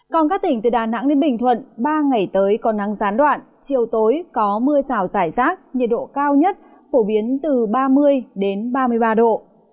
còn các tỉnh từ đà nẵng đến bình thuận ba ngày tới có nắng gián đoạn chiều tối có mưa rào rải rác nhiệt độ cao nhất phổ biến từ ba mươi ba mươi ba độ